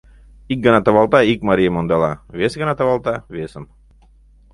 Ик гана тавалта — ик марийым ондала, вес гана тавалта — весым...